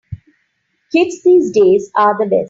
Kids these days are the best.